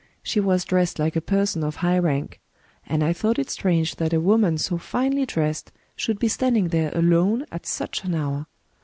She was dressed like a person of high rank; and I thought it strange that a woman so finely dressed should be standing there alone at such an hour.